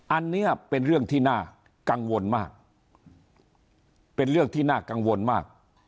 อันนี้เป็นเรื่องที่น่ากังวลมากเป็นเรื่องที่น่ากังวลมาก